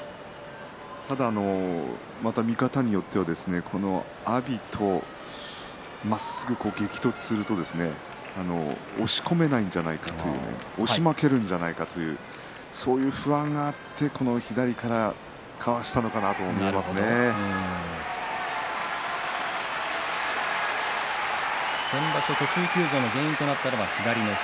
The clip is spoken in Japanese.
ただ、また見方によっては阿炎とまっすぐ激突すると押し込めないんじゃないかと押し負けるんじゃないかというそういう不安があって左からかわしたのかなとも先場所、途中休場の原因となったのが左の膝。